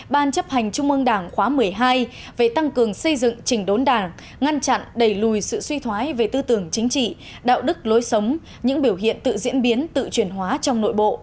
ban chấp hành trung ương đảng khóa một mươi hai về tăng cường xây dựng trình đốn đảng ngăn chặn đẩy lùi sự suy thoái về tư tưởng chính trị đạo đức lối sống những biểu hiện tự diễn biến tự truyền hóa trong nội bộ